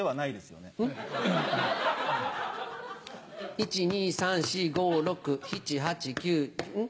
１・２・３・４・５・６・７・８・９ん？